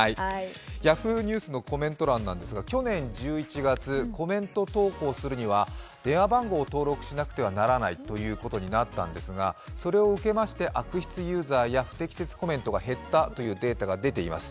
Ｙａｈｏｏ！ニュースのコメント欄なんですが、去年１１月、コメント投稿するには電話番号を登録しなくてはならないということになったんですがそれを受けまして、悪質ユーザーや不適切コメントが減ったというデータが出ています。